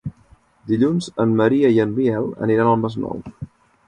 Dilluns en Maria i en Biel aniran al Masnou.